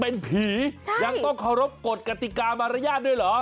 เป็นผียังต้องเคารพกฎกติกามารยาทด้วยเหรอ